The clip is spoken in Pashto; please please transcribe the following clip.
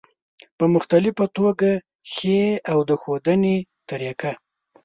په مختلفه توګه ښي او د ښودنې طریقه